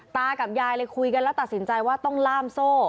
ตากับยายเลยคุยกันแล้วตัดสินใจว่าต้องล่ามโซ่